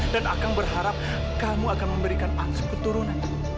dan akang berharap kamu akan memberikan anshuk keturunan